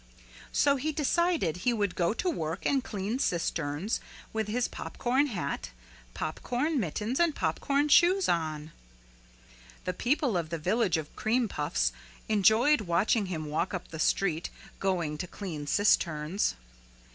So he decided he would go to work and clean cisterns with his popcorn hat, popcorn mittens and popcorn shoes on. The people of the Village of Cream Puffs enjoyed watching him walk up the street, going to clean cisterns.